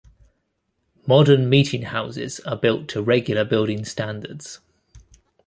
Modern meeting houses are built to regular building standards.